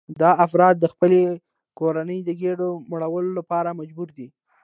دا افراد د خپلې کورنۍ د ګېډې مړولو لپاره مجبور دي